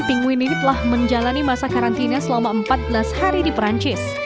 pingguin ini telah menjalani masa karantina selama empat belas hari di perancis